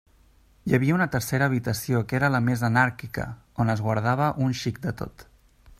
Hi havia una tercera habitació que era la més anàrquica, on es guardava un xic de tot.